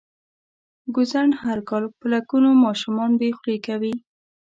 ګوزڼ هر کال په لکونو ماشومان بې خولې کوي.